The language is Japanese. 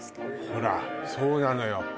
ほらそうなのよ